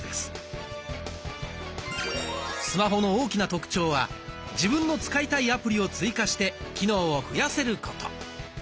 スマホの大きな特徴は自分の使いたいアプリを追加して機能を増やせること。